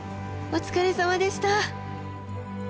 お疲れさまでした。